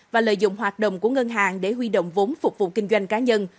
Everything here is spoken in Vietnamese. và lợi dụng hoạt động của ngân hàng để huy động vốn phục vụ kinh doanh cá nhân